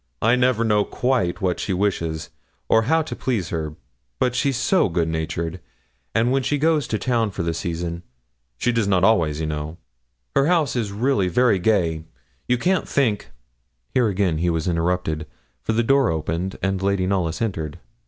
'I never know quite what she wishes, or how to please her; but she's so good natured; and when she goes to town for the season she does not always, you know her house is really very gay you can't think ' Here again he was interrupted, for the door opened, and Lady Knollys entered.